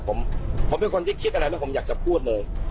ผมเป็นคนที่คิดอะไรแล้วผมอยากจะพูดเลย